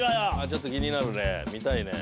ちょっと気になるね。